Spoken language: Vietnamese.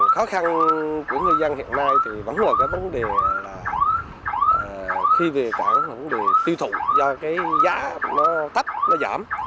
khó khăn của người dân hiện nay thì vẫn là cái vấn đề là khi về cảng vấn đề tiêu thụ do cái giá nó tách nó giảm